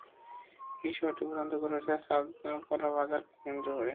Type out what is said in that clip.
এই শহরটি প্রধানত গড়ে উঠেছে চাঁদপাড়া বাজারকে কেন্দ্র করে।